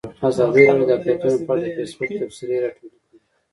ازادي راډیو د اقلیتونه په اړه د فیسبوک تبصرې راټولې کړي.